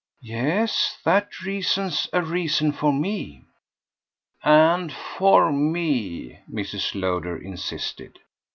"Yes, that reason's a reason for ME." "And for ME," Mrs. Lowder insisted.